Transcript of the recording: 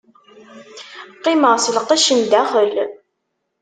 Qqimeɣ s lqecc n daxel.